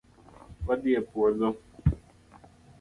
Wadhi e puodho